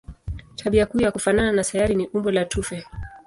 Tabia kuu ya kufanana na sayari ni umbo la tufe.